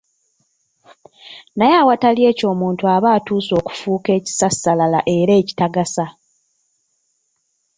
Naye awatali ekyo omuntu aba atuuse okufuuka ekisassalala era ekitagasa.